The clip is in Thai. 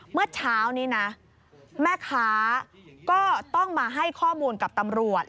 เมื่อเช้านี้นะแม่ค้าก็ต้องมาให้ข้อมูลกับตำรวจ